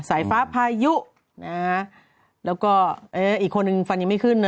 สายฟ้าพายุนะฮะแล้วก็เอออีกคนนึงฟันยังไม่ขึ้นนะ